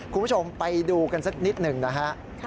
คุณผู้ชมไปดูกันสักนิดหนึ่งนะฮะ